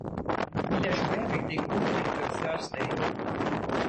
Il a joué avec des groupes tels que Thursday.